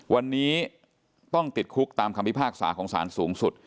วันนี้ต้องติดคุกตามคำพิพากษาของสารสูงสุด